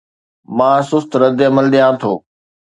مان سست ردعمل ڏيان ٿو